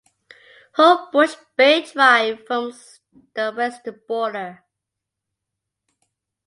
Homebush Bay Drive forms the western border.